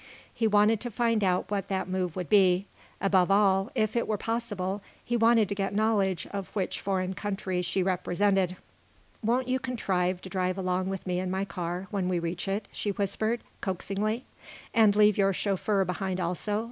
He wanted to find out what that move would be. Above all, if it were possible, he wanted to get knowledge of which foreign country she represented. "Won't you contrive to drive alone with me in my car, when we reach it?" she whispered, coaxingly. "And leave your chauffeur behind, also?"